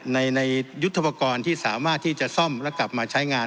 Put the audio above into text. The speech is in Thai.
ในยุทธปกรณ์ที่สามารถที่จะซ่อมและกลับมาใช้งาน